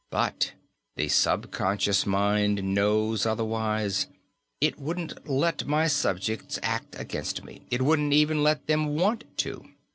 But the subconscious mind knows otherwise. It wouldn't let my subjects act against me; it wouldn't even let them want to.